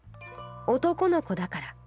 『男の子だから』